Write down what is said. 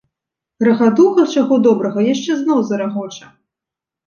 Рагатуха, чаго добрага, яшчэ зноў зарагоча.